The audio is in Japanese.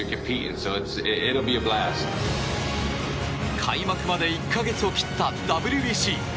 開幕まで１か月を切ったＷＢＣ。